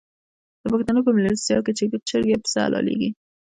د پښتنو په میلمستیا کې چرګ یا پسه حلاليږي.